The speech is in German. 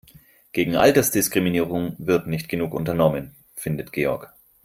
Gegen Altersdiskriminierung wird nicht genug unternommen, findet Georg.